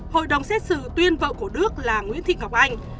hội đồng xét xử tuyên vợ của đức là nguyễn thị ngọc anh